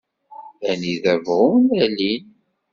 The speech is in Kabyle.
Anida bɣun alin.